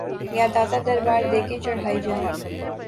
یا داتا دربار دیگیں چڑھائی جائیں؟